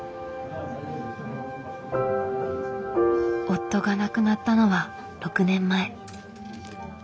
夫が亡くなったのは６年前。